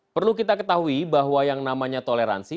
perlu kita ketahui bahwa yang namanya toleransi